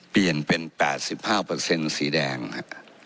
เปลี่ยนเป็น๘๕สีแดงครับ